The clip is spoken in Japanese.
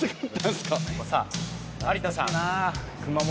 さあ有田さん。